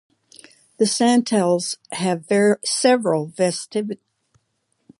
The Santals have several festivities in the months of Magh and Poush.